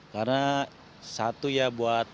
karena satu ya buat